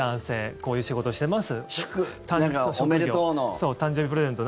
こういう仕事してます。